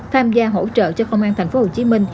tham gia hỗ trợ cho công an tp hcm